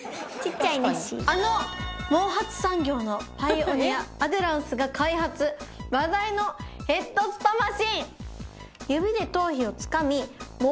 あの毛髪産業のパイオニアアデランスが開発話題のヘッドスパマシン。